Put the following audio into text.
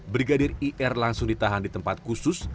brigadir ir langsung ditahan di tempat khusus